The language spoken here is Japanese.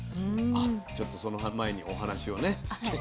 ちょっとその前にお話をね。